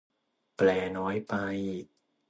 แปลน้อยไป